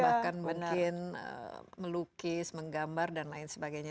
bahkan mungkin melukis menggambar dan lain sebagainya